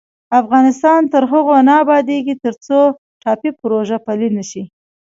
افغانستان تر هغو نه ابادیږي، ترڅو ټاپي پروژه پلې نشي.